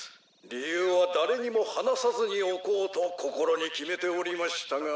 理由は誰にも話さずにおこうと心に決めておりましたが。